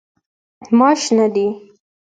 ماش شنه دي.